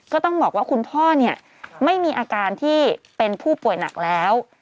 ก็ต้องบอกว่าคุณพ่อเนี่ยไม่มีอาการที่เป็นผู้ป่วยหนักแล้ว